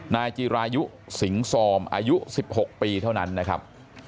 นายจิรายุสิงซอมอายุ๑๖ปีเท่านั้นนะครับ